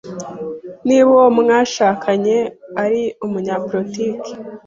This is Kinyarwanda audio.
Niba uwo mwashakanye ari umunyapolitiki,